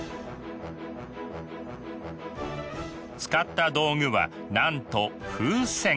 使った道具はなんと風船。